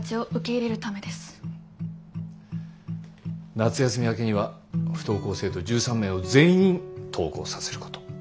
夏休み明けには不登校生徒１３名を全員登校させること。